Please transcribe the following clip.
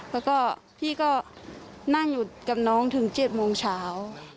แล้วก็พี่ก็นั่งอยู่กับน้องถึง๗โมงเช้า